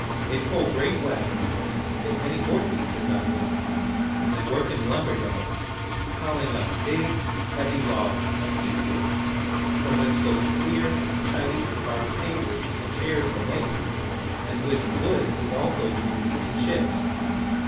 They pull great wagons, that many horses could not move, and they work in lumber yards, piling up the big, heavy logs of teakwood, from which those queer, Chinese carved tables and chairs are made, and which wood is also used in ships.